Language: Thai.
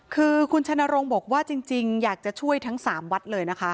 คือคุณชนรงค์บอกว่าจริงอยากจะช่วยทั้ง๓วัดเลยนะคะ